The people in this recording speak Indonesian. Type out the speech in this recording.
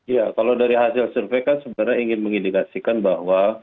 ya kalau dari hasil survei kan sebenarnya ingin mengindikasikan bahwa